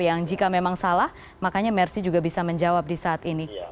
yang jika memang salah makanya mersi juga bisa menjawab di saat ini